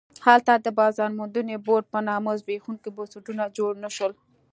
هلته د بازار موندنې بورډ په نامه زبېښونکي بنسټونه جوړ نه شول.